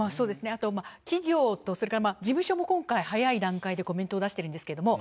あとは、企業とそれから事務所も今回早い段階でコメントを出しているんですけれども。